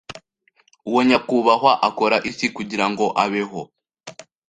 Uwo nyakubahwa akora iki kugirango abeho?